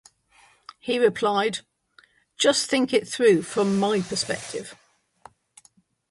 He replied: Just think it through from my perspective.